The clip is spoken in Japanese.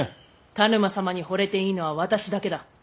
田沼様にほれていいのは私だけだ。